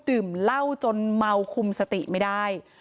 ดื่มเหล้าจนเมาคุมสติไม่ได้